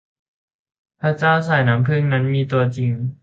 พระเจ้าสายน้ำผึ้งนั้นมีตัวจริง